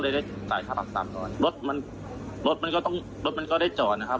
ก็เลยได้จ่ายค่าตามสามร้อยรถมันรถมันก็ต้องรถมันก็ได้จ่อนะครับ